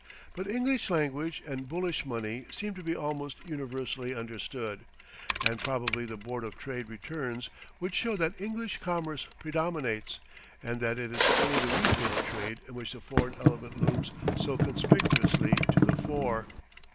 But English language and Bullish money seem to be almost universally understood, and probably the Board of Trade returns would show that English commerce predominates, and that it is only the retail trade in which the foreign element looms so conspicuously to the fore.